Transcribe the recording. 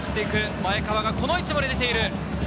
前川がこの位置まで出ている。